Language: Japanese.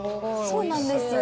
そうなんです。